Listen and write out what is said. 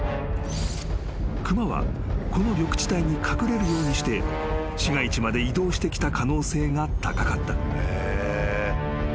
［熊はこの緑地帯に隠れるようにして市街地まで移動してきた可能性が高かった］